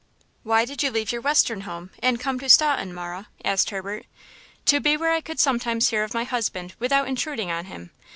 "Why did you leave your western home and come to Staunton, Marah?" asked Herbert. "To be where I could sometimes hear of my husband without intruding on him.